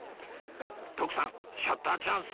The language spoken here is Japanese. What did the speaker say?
徳さんシャッターチャンス